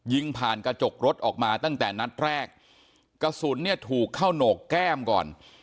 ยิงผ่านกระจกรถออกมาตั้งแต่นัดแรกกระสุนเนี่ยถูกเข้าโหนกแก้มก่อน